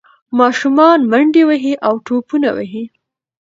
ماشومان منډې وهي او ټوپونه وهي.